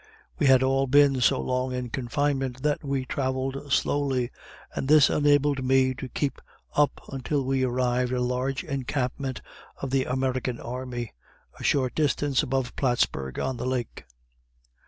We had all been so long in confinement that we travelled slowly, and this enabled me to keep up until we arrived at a large encampment of the American army, a short distance above Plattsburg on the lake.